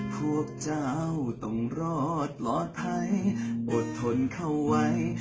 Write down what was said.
พวกเจ้าต้องรอดปลอดภัยอดทนเข้าไว้